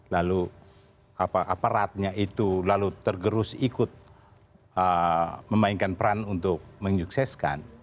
lalu aparatnya itu lalu tergerus ikut memainkan peran untuk menyukseskan